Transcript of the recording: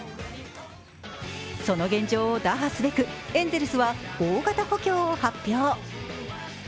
その現状を打破すべく、エンゼルスは大型補強を発表。